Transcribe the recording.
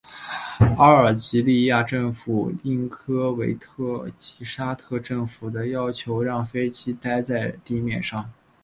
阿尔及利亚政府应科威特及沙特政府的要求让飞机待在地面上。